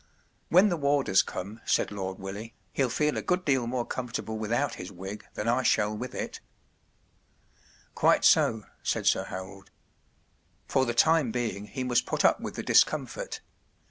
When the warders come/ 1 said Lord Willie, “ he’ll feel a good deal more comfort¬ able without his wig than I shall with it/' Quite so," said Sir Harold. “ For the time being he must put up with the dis¬ comfort.